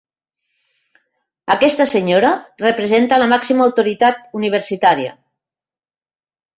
Aquesta senyora representa la màxima autoritat universitària.